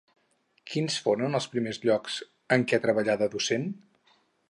Quins foren els primers llocs en què treballà de docent?